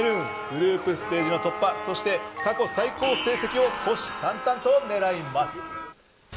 グループステージの突破そして過去最高成績を虎視眈々と狙います。